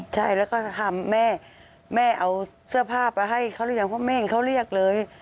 ใช่แล้วก็ถามแม่แม่เอาเสื้อผ้าไปให้เขาเรียกยังไงเขาเรียกเลย